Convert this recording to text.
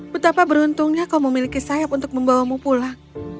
betapa beruntungnya kau memiliki sayap untuk membawamu pulang